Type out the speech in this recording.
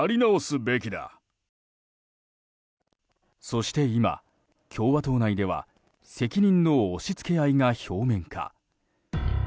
そして今、共和党内では責任の押し付け合いが表面化。